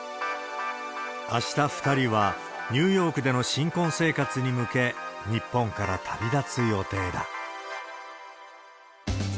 あした、２人はニューヨークでの新婚生活に向け、日本から旅立つ予定だ。